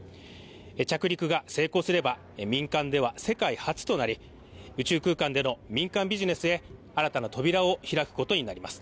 着陸が成功すれば、民間では世界初となり、宇宙空間での民間ビジネスへ新たな扉を開くことになります。